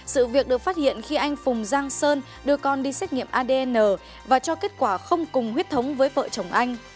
sự việc được phát hiện khi anh phùng giang sơn đưa con đi xét nghiệm adn và cho kết quả không cùng huyết thống với vợ chồng anh